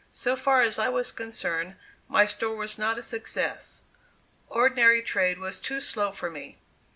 So far as I was concerned my store was not a success. Ordinary trade was too slow for me.